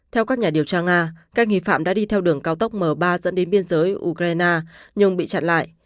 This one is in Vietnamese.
theo các nhà điều tra nga các nghi phạm đã đi theo đường cao tốc m ba dẫn đến biên giới ukraine nhưng bị chặn lại